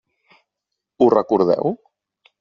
Ho recordeu?